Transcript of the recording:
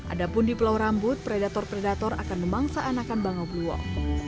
adapun di pulau rambut predator predator akan memangsa anakan bangau blue walk